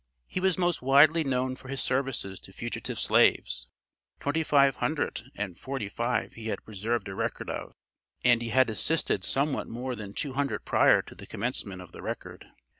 He was most widely known for his services to fugitive slaves. Twenty five hundred and forty five he had preserved a record of; and he had assisted somewhat more than two hundred prior to the commencement of the record.